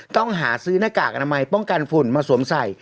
ต้องหาซื้อหน้ากากอนามัยป้องกันฝุ่นมาสวมใส่